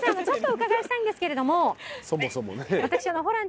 ちょっとお伺いしたいんですけれども。